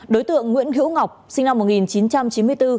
đối tượng nguyễn hữu ngọc sinh năm một nghìn chín trăm chín mươi bốn